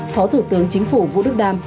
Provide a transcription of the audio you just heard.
phó thủ tướng chính phủ vũ đức đam